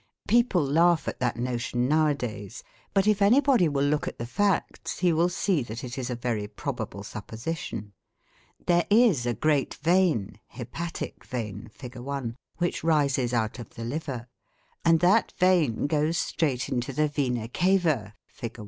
People laugh at that notion now a days; but if anybody will look at the facts he will see that it is a very probable supposition. There is a great vein (hepatic vein Fig. 1) which rises out of the liver, and that vein goes straight into the 'vena cava' (Fig.